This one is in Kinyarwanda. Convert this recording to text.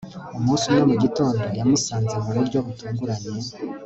umunsi umwe mu gitondo, yamusanze mu buryo butunguranye